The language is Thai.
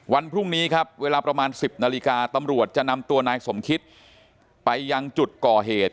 วันพรุ่งนี้ครับเวลาประมาณ๑๐นาฬิกาตำรวจจะนำตัวนายสมคิตไปยังจุดก่อเหตุ